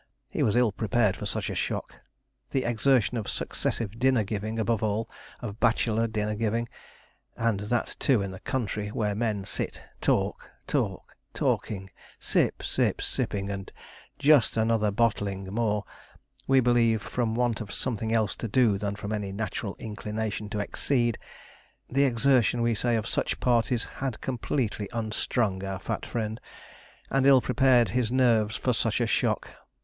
He was ill prepared for such a shock. The exertion of successive dinner giving above all, of bachelor dinner giving and that too in the country, where men sit, talk, talk, talking, sip, sip, sipping, and 'just another bottle ing'; more, we believe, from want of something else to do than from any natural inclination to exceed; the exertion, we say, of such parties had completely unstrung our fat friend, and ill prepared his nerves for such a shock.